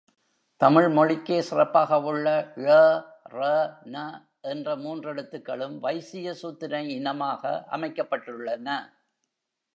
தமிழ் மொழிக்கே சிறப்பாகவுள்ள ழ, ற, ன என்ற மூன்றெழுத்துக்களும் வைசிய சூத்திர இனமாக அமைக்கப்பட்டுள்ளன.